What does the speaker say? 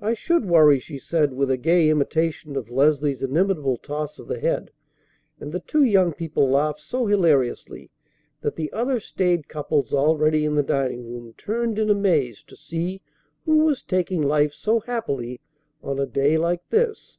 "I should worry," she said with a gay imitation of Leslie's inimitable toss of the head, and the two young people laughed so hilariously that the other staid couples already in the dining room turned in amaze to see who was taking life so happily on a day like this.